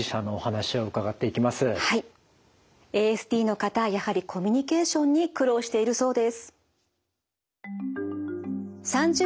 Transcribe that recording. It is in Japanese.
ＡＳＤの方やはりコミュニケーションに苦労しているそうです。